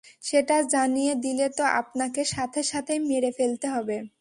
সেটা জানিয়ে দিলে তো আপনাকে সাথে-সাথেই মেরে ফেলতে হবে।